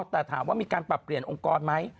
แต่ถามว่ามีการปรับเปลี่ยนองค์กรไหม